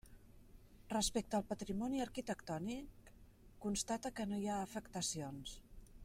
Respecte al patrimoni arquitectònic constata que no hi ha afectacions.